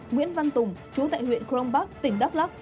nguyễn văn tùng chú tại huyện cron park tỉnh đắk lắk